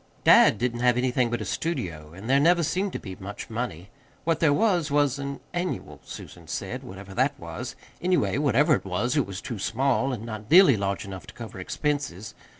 Dad didn't have anything but a studio, and there never seemed to be much money. What there was, was an "annual," Susan said, whatever that was. Anyway, whatever it was, it was too small, and not nearly large enough to cover expenses.